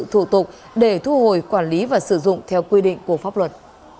thủ tục để thu hồi quản lý và sử dụng theo quy định của pháp luật